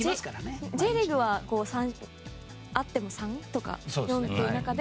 Ｊリーグは、あっても３とか４っていう中で。